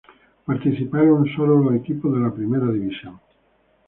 Participaron sólo los equipos de la Primera División.